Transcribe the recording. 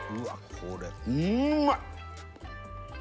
これうんまい！